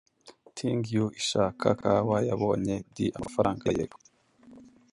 Ting yuh ishaka Kawa yabonye di amafaranga, yego